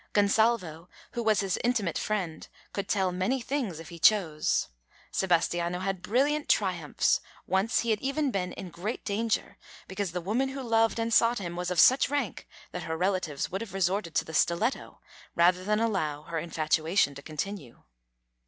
Gonsalvo, who was his intimate friend, could tell many things if he chose. Sebastiano had brilliant triumphs. Once he had even been in great danger because the woman who loved and sought him was of such rank that her relatives would have resorted to the stiletto rather than allow her infatuation to continue.